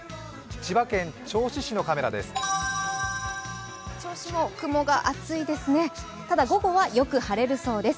千葉県銚子市のカメラです。